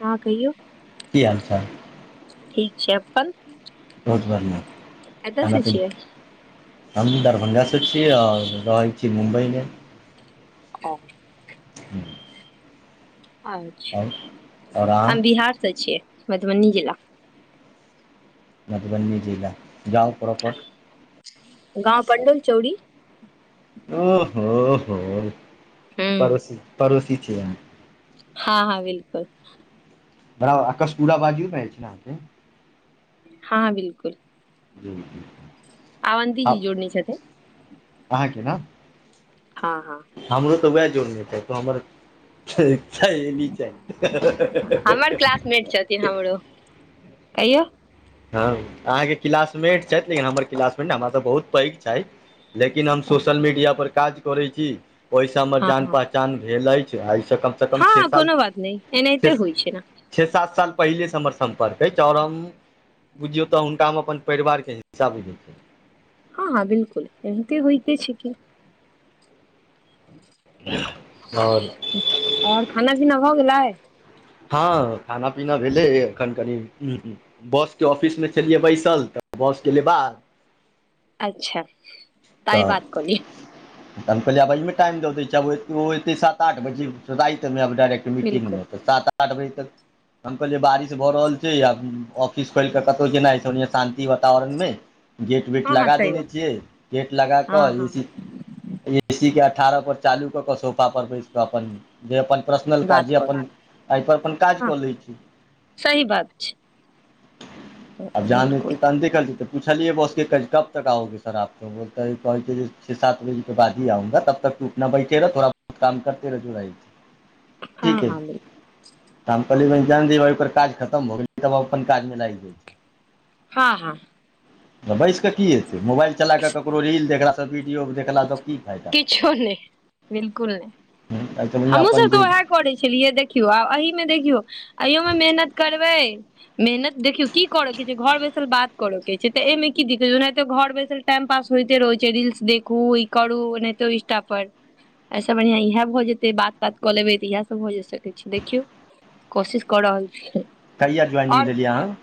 अहाँ कहियौ की हाल चाल ठीक छै अपन रहुत बार नहि त कतयसँ त [unintelligible] छियै हम दरभङ्गासँ छी और रहैत छी मुम्बइमे ओ [inaudible] ह [inaudible] अच्छा आओर हम अहाँ बिहारसँ छियै मधुबनी जिला मधुबनी जिला गांउ परो पर गाँव पडन चौड़ी ओह हो हो हूँ पड़ोसी पड़ोसी छीयै अह हँ हँ बिलकुल बड़ा अकस पुरा बाजियो भए जाइ छै नेहाँके [unintelligible] हँ बिलकुल जी [inaudible] अवंती जी आब जोड़ने छथिन अहाँके ना हँ हँ हमरो तऽ वएह जोड़ने छैत हमर छै नी छै हमर [unintelligible] क्लासमेट छथिन हमरो कहियौ हँ अहाँके किलासमेट छथि लेकिन हमर किलासमेट हमरा सब बहुत पैघ छैत लेकिन हम हँ सोशल मीडिया पर काज करै छी ओइसे हमर जान हँ पहच चान भेल अछि एहिसँ कम छे हँ साल कोनो बात नइ एनाहिते होइ छै ने छे सात साल पहिलेसँ हमर सम्पर्क अछि ओर हम बुझियौ तऽ हुनका हम अपन परिवारके हिस्सा बुझै छैन हँ हँ बिलकुल एनाहिते होइते छै कि और और खाना पीना भऽ गेलै हँ खाना पीना भेलै एखन कनि ऊं हू बाॅस के ऑफिस मे छलियै बैसल तऽ बाॅस गेलै बाहर अच्छा ता आइ बात कलिय तऽ हम कहलियै अइमे टाइम द दे दै आब ओ एतै सात आठ बजे रातिमे आ डायरेक्ट मीटिंग बिल्कुल मे तऽ सात आठ बजे तक हम कहलियै बारिश भऽ रहल छै आ ऑफिस खोल केे कतौ जेनाइ शानंि वातावरण मे गेट वेट हँ हँ लगा सही देने बात छियै पे लगाक हँ ए हँ सी ए सी के अठारह पर चालू क के सोफा पर बैस क अपन जे अपन पर्सनल काज बात जे करू अपन एहिप अपन काज हँ कऽ लै छी सही बात छै अब बिलकुल जहाँ तलतै पूछलियै बस कब तक आओगे सर आप तऽ बल तऽ ई कहै छै जे छओ सात बजेके बादी आउगा तब तक टूटना बैठे रहऽ थोड़ा काम करते रजू आइ हँ ठीक है हँ बिलकुल तऽ हम कहलियै जान दी ओकर काज खतम हो गेलै तब अपन काजमे लागि जाइ छै हँ हँ बैस कऽ की हेतै मोबाइल चला कऽ ककरो रील देखलासँ वीडियो देखलासँ की फायदा किछो नहि बिलकुल नहि एहिसँ बढ़िआँ हमहुँ अपन सब तऽ जे वएह करै छलियै देखियौ आ एहि मे देखियौ अयो मे मेहनत करबै मेहनत देखियौ की करऽ के छै घर बैसल बात करय के छै तऽ ए एहिमे की दिक छै ओनाहिते घर बैसल टाइम पास होेइते रहै छै रिल्स देखू इ करु नई तऽ ईंस्टा पर ऐसे बढ़िआं इएह भऽ जेतै बात बात तात कऽ लेबै तऽ इएह सभ भ सकै छै देखियौ कोशिश कऽ रहल छीयै कहिआ ज्वइनिंग देलये अहाँ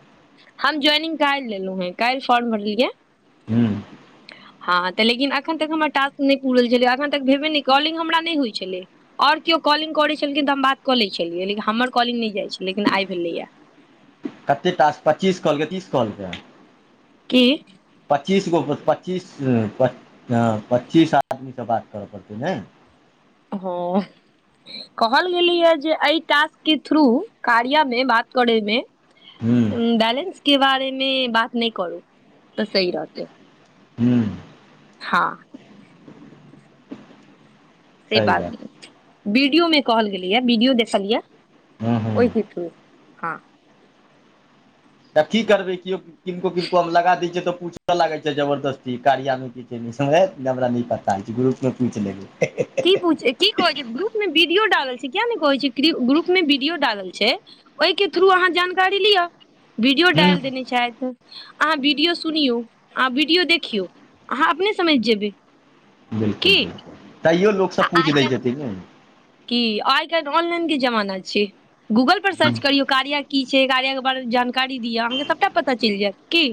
हम जाइनिंग काल्ह लेलहु है काल्ह फॉर्म भरलियै हू हँ तऽ लेकिन अखन तक हमर टास् नहि पूरल छलै एखन तक भेबे नहि कॉलिंग हमरा नहि होइ छलै ओर केओ कॉलिंग करैत छलखिन तऽ हम बात कऽ लै छलियै लेकिन हमर कॉलिंग नहि जाइत छल लेकिन आइ भेलैए कते ास पच्चीस कहलकै तीस कहलकै की पच्चीस गो पच्चीस पच पच्चीस आदमीसँ बात करऽ पड़तै ने हँ कहल गेलीयए जे एहि टास्क के थ्रू कार्यमे बात करयमे हूँ बैलेंस के बारेमे बात नहि करू तऽ सही रहतै हूँ हँ से बात वीडियो मे कहल गेलै या वीडियो देखल यए हूँ हूँ ओहि कत हँ तब की करबै केओ किनको किनको हम लगा दै छ तऽ पूछ लागै छै जबरदस्ती कारियामे की हमरा पता होइ छै ग्रुप मे पूछि लेबै की पूछ की कहे छै ग्रुप में वीडियो डालल छै किया ने कहै छै ग्रुप में वीडियो डालल छै ओहि के थ्रू अहाँ जानकारी लिअ वीडियो हुँ डाल देने छै तऽ अहाँ वीडियो सुनियौ अहाँ वीडियो देखियौ अहाँ अपने समैझ जेबै बिल्कुल की बिल्कुल तैयो लोक सब पूछ दै छथिन ने कि आइ काल्ह ऑनलाइन के जमाना छै गूगल पर सर्च करियौ कार्या की छै कार्य के बारे मे जानकारी दिय अहाँके सबटा पता चलि जायत की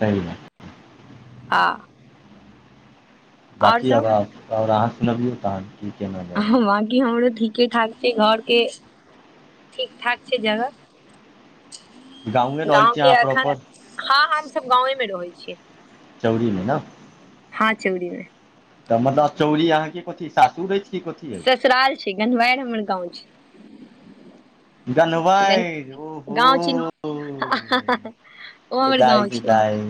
सहि हँ आओर बाँाकी सब अगर अगर अहाँ सुनबियौ तहन की केना रहल छै। बाकी हमरो ठीके ठाक छै घर के ठीकठाक छै जगह गाँवे रहै गाँव छी के अहाँ एखन प्रॉपर हँ हमसभ गाँवेमे रहै छीयै चौड़ीमे ने हँ चौड़ी मे तऽ मतलब चौरी अहाँके कथि सासुर रहै की कथी हइ ससुराल छै घनवार हमर गाँव छै गान ह गन भै ओ हो गाँव छी ओ हमर विदाई गाँव छै विदाइ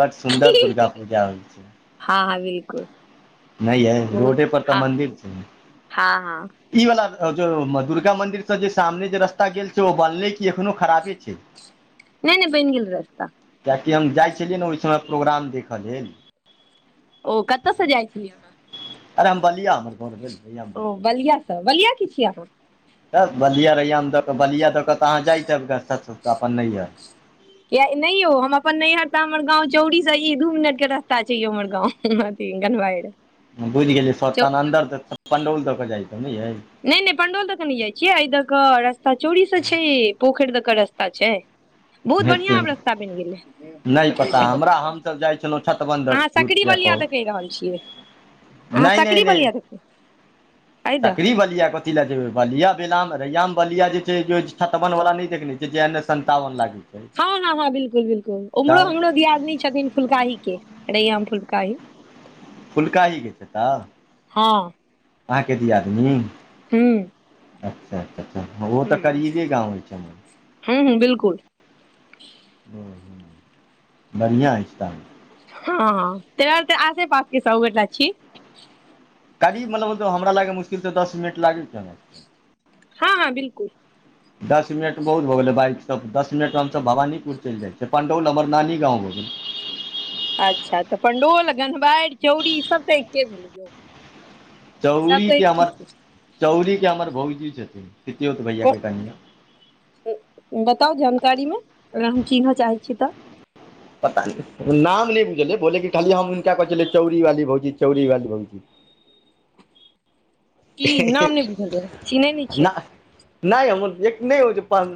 बड सुन्दर दुर्गा पूजा होइ छै हँ हँ बिल्कुल नहि यय रोडे पर तऽ मंन्दिर छै हँ हँ ई वाला दुर्गा मंदिर से जे सामने जे रस्ता गेल छै ओ बनले क एखनो खराबे छै [unintelligible] नहि नहि बन गेल रह रास्ता कियाकि हम जाइ छलियै ने ओहि समय प्रोग्राम देखऽ लेल ओ कतऽ से जाइ छी अहाँ अरे हम बलिया अमर को भेल [unintelligible] ओ बलियासँ बलिया की छियै अहाँ तऽ बलिया अैामे दऽ बलियाआ दऽ कऽ तऽ अहाँ जाइत जाब सस्त अपन नहियर किया नहि यौ हम अपन नैहर तऽ हमर गाँं चौरी से ई दू मिनट के रस्ता छै यौ हमर गाँंव म तींगन बाड [inaudible] बुझि गेलियै अन्दर तऽ पण्डौल दऽ केऽ जाइतौ नैय नहि नहि पंडौल तऽ के नहि जाय छियै एहि दऽ के रस्ता चोरी से छै ई पोखैर दऽ के रस्ता छै बहुत हेते बढ़ियां आब रस्ता बनि गेलै नहि पता हमरा हमसभ जाइ छलहुँ छठबंधर अहाँ सकरी बलिया देके कह रहल छिए अहाँ नहि नहि सकरी नहि बलिया देके सकरी बलियाक अथी लए जेबै बलिआ भेलामे रैआमे बलीआ जे छै छपबनवला नहि देखने छिय जे एन एस सन्तावन लागी हँ हँ ह बिल्कुल बिल्कुल उम्रोरो दियादनी छथिन फुलकाही के रैयमे फुलकाहि फुलकाही के छै तऽ हँ अहाँके [unintelligible] देयादनी हू अच्छा अच्छा अच् ओ तऽ करीबे गाँव होइ छै हम हँ हँ बिलकुल [unintelligible] ओ बढ़िआँ स्थान हँ तर तऽ आसे पास के सब गोटा छी करि मतलबल हमरा लागै मुश्किल तऽ दस मिनट लागै छि हँ हँ बिल्कुल ह [inaudible] दस मिनट बहुत भऽ गेलै बाइकस दस मिनटमे हमसब भवानीपुर चलि जाइ छिय पण्डौल हमर नानी गाँव भऽ गेल अच्छा तऽ पंडोल गंधवारि चौड़ी ई सब तऽ एके सब तऽ चौरीके एके हमर छै चौरीके हमर भौजी छथिन तितियोत भैया के कनियाँ बताउ जानकारी मे अगर हम चिन्ह चाहै छीय तऽ पता नाम नहि बुझलै बोले कि खाली हम हुनका कहै छलियै चौरी वाली भौजी चौरी वाली भौजी की नाम नहि बुझल य चिन्हे नहि छिऐ ना नहि हमर एक नहि हो छै पाच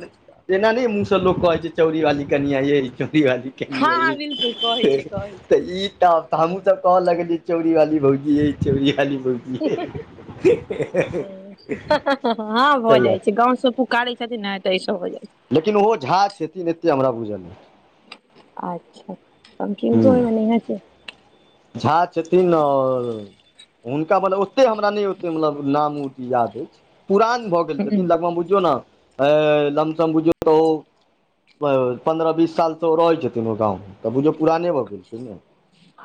एना ने मुँहसँ लोक कहै छै चौड़री वाली कनिया ये चौरी वाली क तऽ हँ हँ ई बिल्कुल कहै त छै कहै छै तऽ हमहूँसभ कहऽ लगलियै चोरी वाली भौजीे चोरी वाली भौजी हँ भऽ सही जाइ बात छै गाँव से पुकारे छथिन ने तऽ ई सब हो जाइ छै लेकिन ओहो झा छथिन एते हमरा बुझलमे अच्छा त कीमतो हूँ होइनेह छै झा छथिन ओर हुनका मब ओतेक हमरा नहि ओ मतलब नाम याद अछि पुरान भऽ गेल छथिन लगभग बुझियौने अ लमसम बुझ तऽ ओ पन्द्रह बीस साल त ओ रहै छथिन ओ गाँंवमे तऽ बुझियौ पुराने भऽ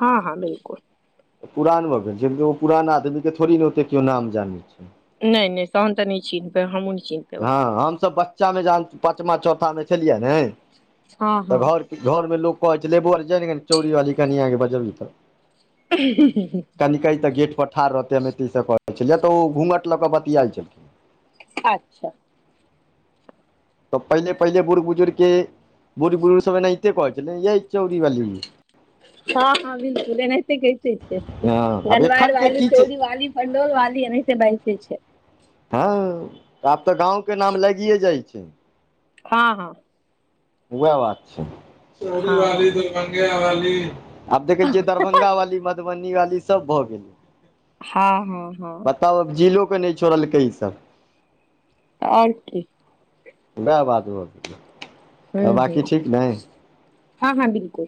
हँ हँ बिलकुल पुरान भऽ गेल छै ओ पुरान आदमी के थोड़ी ने ओते केओ नाम जानै छै नहि नहि तहन तऽ नहि चिन्हबै हमहू नहि चिन्ह पेबै हँ हमसब बच्चा मे जहन पचमा चौथा मे छलियै ने हँ तऽ हँ घर घर मे लोक कहै छै बैंआरे जायही न कनी चोड़ी वाली कनिया बजबहीन त [unintelligible] कनिकहि न तऽ गेट प ठाड़ रहतै हम एते सँ बजय छलियै तऽ ओ घूँघट लऽ कऽ बतिया छलखिन्ह [unintelligible] तऽ पहिले पहिले बुढ़ बुजुर्ग के बुढ़ बुजुर्ग सब एनाहिते कहै छलै यह चौरीवाली हँ हँ बिल्कुल एनाहिते कहते छै हँ आब गनवार एखन के वाली की छै चौरीवाली हडोल वाली एनाते बाइज द‌ई छै हँ आब तऽ गाँंव के नाम लग‌ई जाइ छै हँ हँ वएह बात छै चोरी हँ वाली हँ दरभंगा वाली आब देखै छियै दरभंगा वाली मधुबनी वाली सभ भऽ गेलै हँ हँ हँ बताउ अ जीलो के नहि छोड़लकै ई सब तऽ आओर की वएह बात भ गेलय हू ह हँ हँ बिल्कुल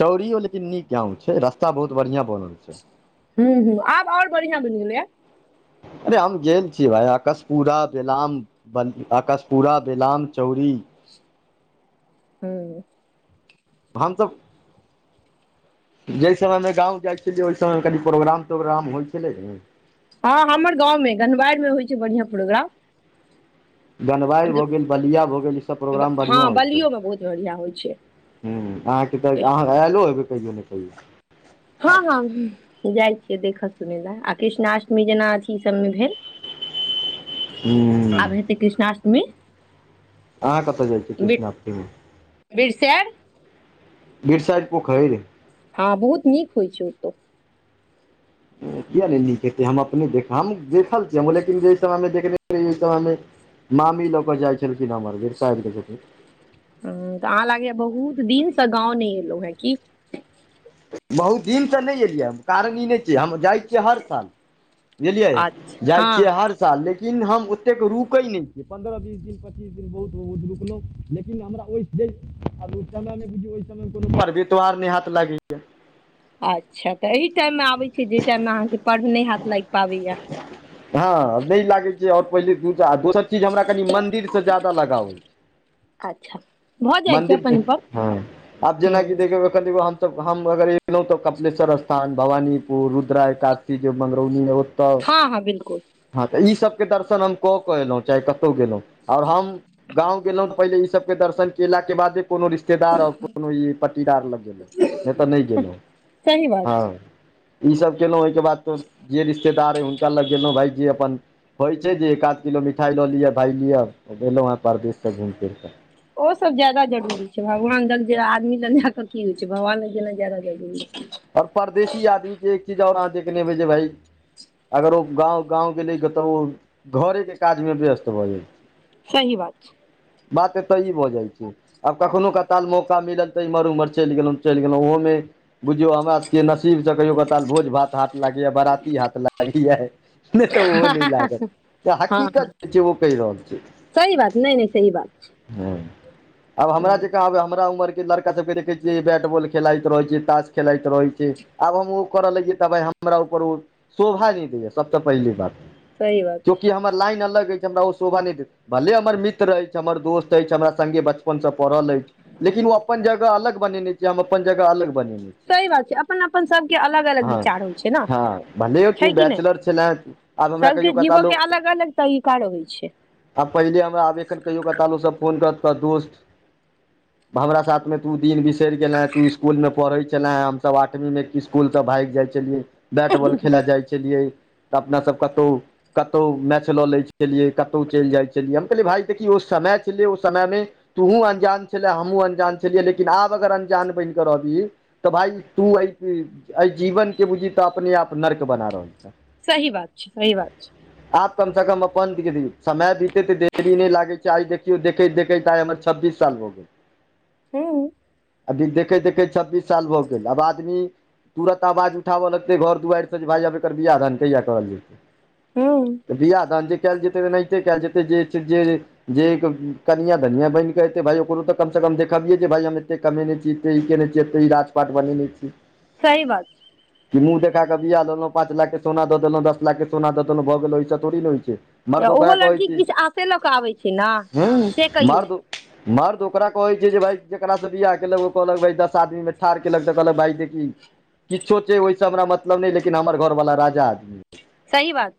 चौरीयो लेकिन नीक गाँव छै रस्ता बहुत बढ़िया बनल छै हू हू आब आओर बढ़ियां बनि गेलै ह अरे हम गेलल छीयै भाई आकशपुरा बदाम बल आकशपुरा बेलाम चौरी हँ हम सब जाहि समयमे गाँव जाइ छलियै ओहि समयमे कनि प्रोग्राम तोग्राम होइ छलै ने हँ हमर गाँवमे गनवार मे होइ छै बढ़िआँ प्रोग्राम गनवार भऽ गेल बलिया भऽ गेल ईसब प्रोग्राम बढ़िआँ हँ होइ छै बलियो मे बहुत बढ़िआँ होइ छै ह आहाँके तऽ आहाँ आयलो हैबय कहियो ने कहियो हँ हँ जाइ छियै देखय सुनय लए आ कृष्णा अष्टमी जेना अथी सब मे भेल ह्म आब हेतय कृष्णा अष्टमी आहाँ कतय जाइ छियै कृष्णा अष्टमी में बिरसैर बीर साइट पोखर हँ बहुत नीक होइ छै ओतौ किया नहि नीक हेतै हम अपने देख हम देखल छियै हम लेकिन जेहि समयमे देखने ओहि समयमे मामी लऽ कऽ जाइ छलखिन हमर जेठ सैर के संगे हँ तऽ आहाँ लागैए बहुत दिन सँ गाँव नहि एलो हन कि बहुत दिन सँ नहि एलियै हम कारण ई नहि की जे हम जाइ छियै हर साल बुझलियै अच्छा जाइ हँ छियै हर साल लेकिन हम ओतेक रुकय नहि छियै पन्द्रह बीस दिन पच्चीस दिन बहुत बहुत रुकलहुँ लेकिन हमरा ओहि [unintelligible] आब ओ समयमे बुझियौ ओहि समयमे कोनो पर्व तोहार नहि हैत लागैय अच्छा तऽ एहि टाइम मे आबै छीय जे टाइम मे आहाँ के पर्व नहि हाथ लाग पाबैय हँ नहि लागे छै आओर पहिले दूटा दोसर जे कनि हमारा मंदिर से ज्यादा लगाव है अच्छा भऽ जाइ छै अपन मंदिर अपन हँ आब जेना कि हँ देखियौ हमस हम अगर एलो त कपिलेश्वर स्थान भवानीपुर रुद्रा एकादशी के मगरौली मे ओत हँ हँ बिल्कुल हँ तऽ ईसभके दर्शन हम कऽ कऽ एलो चाहे कतौ गेलै आओर हम गाँव गेलो तऽ पहिले ईसभ के दर्शन केलाक के बादे कोनो रिश्तेदार आ कोनो ई पट्टीदार लग गेलहु नहि तऽ नहि गेलहुं सही बात छै ई सब केलहुं ओहिके बाद तो जे रिश्तेदार हय हुनका लग गेलों भाय जे अपन होय छै जे एक आध किलो मिठाई लऽ लिय भाय लियअ एलो ह परदेस [inaudible] ओ सब ज्यादा जरूरी छै भगवान ल आदमी लग लए क की होइ छै भगवान लग जेनाइ ज्यादा जरूरी छै आओर परदेसी आदमी के एक चीज और आाँ देखने हेबई जे भाई अगर ओ गाँव गाँव गेलै तऽ ओ घरेके काजमे व्यस्त भऽ जाइ सही बात छै बात एत ई भऽ जाइ छै आब कखनहु कताल मौका मिलल तऽ एम्हर ओम्हर चलि गेलहुँ चलि गेलहुँ ओहोमे बुझियो हमरा सबके नसीब से कहियो काल भोज भात हाथ लागैया बराती हाथ लागैया नहि तऽ ओहो न लागत तऽ हँ हँ हकीकत जे छै ओ कह रहल छै सही बात नहि नहि सही बात ह आब छै हमरा हूँ जे कहबय हमरा उमर के लड़का सबके देखे छियै बैट बॉल खेलाइत रहे छै तास खेलइत रहै छै आब हम ओ करऽ लगै तऽब हमरा ऊपर ओ शोभा नहि दैय सबसँ पहिली बात सही बात छै जोकि हमर लाइन अलग अछि हमरा ओ शोभा नहि दे भले हमर मित्र अछि हमर दोस्त अछि हमरा सगे बचपन से पढ़ल अछि लेकिन ओ अपन जगह अलग बनेने छै हम अपन जगह अलग बनेने छ सही बात छै अपन अपन सबके अलग अलग विचार होइ छै ने हँ भले छै तू कि नह बैचलर छले आब हमरा कहियो सबके जीव के कतालो अलग अलग तरीका होै छ आ पहिले हमरा आबे कहियो काल सब फोन करत कह दोस्त हमरा साथ मे तू दिन भी र गेलें तू इसकुल मे पढ़े छले ह हमसब आठवीं में इसकुल से भागि जाइ छलियै बैट बॉल खेले जाइ छलियै तऽ अपना सब कतहु कतौ मैच लऽ ले छै चियै कतहु चलि जाइ छलिय हम भाइ देखी ओ समय छलै ओ समयमे तूहूँ अन्जान छलै हमहूँ अनजान छलियै लेकिन आब अगर अन्जान बनिकऽ रहबी तऽ भाइ तू एहि एहि जीवन के बुझी तऽ अपने आप नर्क बना रहल छ सही बात छै सी बात छै आप कम से कम अपन समय बीते ते देरी नहि लागै छै आइ देख केओ देखैत देखैत आइ हमर छब्बीस साल भगेल हँ अभी देखैत देखैत छब्बीस साल भऽ गेल आब आदमी तुरत आवाज उठाबऽ लगतै घर दुआरिसँ जे भायइ आब एकर बियाह दान कहिया करल हूँ जेतै बिह दान जे कल जेतै तऽ नहि त कल जेतै जे जे कनिआँ धनिआँ बनि कऽ एतै भायइ ओकरो तऽ कमसँ कम देखबियै जे भाय हम एतेक कमेने छी एतेक ई क केने छियै एत क ई राजपाट बनी नहि छी सही बात मुँह देखाके बिया देलहुँ पाँच लाख के सोना दश लाख के सोना देलहु भऽ गेल अओईसंथड़ी ने होइ छै मर्द ओकर ओहो कहै लड़की छी किछु आशे लऽ कऽ आबै छै ने हु से कहियौ मर्द मर्द ओकरा कहै छै जेकरा सैभई जेकासँ बियाह केलक ओ कहलक दस आदमी मे ठार के लकत कहलक भाइ देखही किछो छै ओहिसँ हमरा मतलब नहि लेकिन हमर घरवालला राजा आदमी सही बात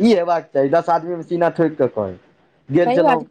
ई हेबाक चाही दस आदमीमे सीना ठोकि कऽ कह गेल सही बात छै छललहुँ